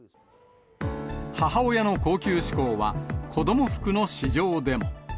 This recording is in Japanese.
母親の高級志向は、子ども服の市場でも。